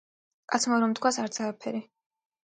კაცმა რომ თქვას, არც არაფერი!